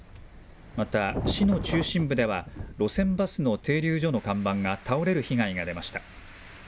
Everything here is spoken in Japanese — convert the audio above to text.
また、市の中心部では、路線バスの停留所の看板が倒れる被害が出ました。